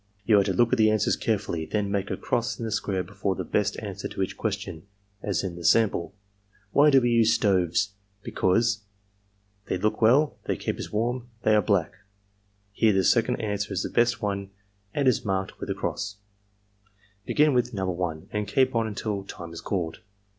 You are to look at the answers carefully; then make a cross in the square before the best answer to each question, as in the sample: "' Why do we use stoves? Because n they look well x) they keep us warm ^ they are black "*Here the second answer is the best one and is marked with a cross. Begin with No. 1 and keep on until time is called.'